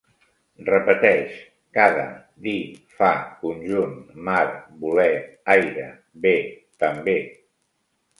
Repeteix: cada, dir, fa, conjunt, mar, voler, aire, bé, també